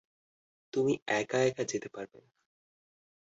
তুমি একা একা যেতে পারবে না!